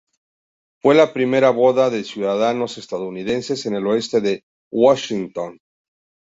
Fue la primera boda de ciudadanos estadounidenses en el oeste de Washington.